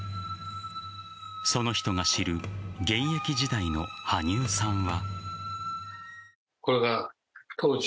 その人が知る現役時代の羽生さんは。